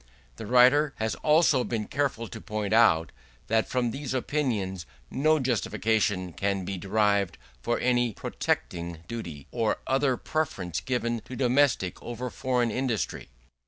The writer has also been careful to point out, that from these opinions no justification can be derived for any protecting duty, or other preference given to domestic over foreign industry.